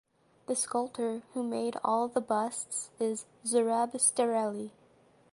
The sculptor who made all the busts is Zurab Tsereteli.